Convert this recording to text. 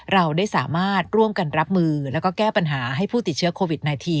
เราได้สามารถร่วมกันรับมือแล้วก็แก้ปัญหาให้ผู้ติดเชื้อโควิด๑๙